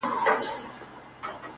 څه مسافره یمه خير دی ته مي ياد يې خو,